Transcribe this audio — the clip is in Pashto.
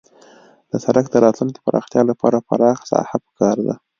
د سرک د راتلونکي پراختیا لپاره پراخه ساحه پکار ده